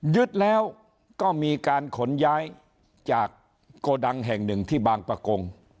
ยึดแล้วก็มีการขนย้ายจากโกดังแห่งหนึ่งที่บางประกง